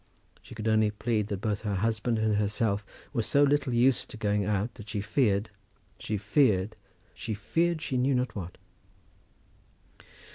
She could only plead that both her husband and herself were so little used to going out that she feared, she feared, she feared she knew not what.